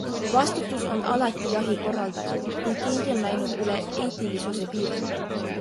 Vastutus on alati jahi korraldajal, kui keegi on läinud üle eetilisuse piiri.